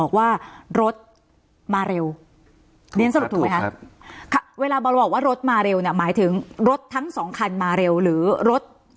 ครับเวลาบอกว่ารถมาเร็วหมายถึงรถทั้งสองคันมาเร็วหรือรถ